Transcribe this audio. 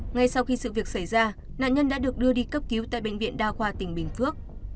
ngay sau khi sự việc xảy ra nạn nhân đã được đưa đi cấp cứu tại bệnh viện đa khoa tỉnh bình phước